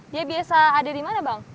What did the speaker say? ya biasa ada di mana bang